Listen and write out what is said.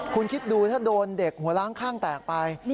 คุณคิดดูถ้าโดนเด็กหัวล้างข้างแตกไป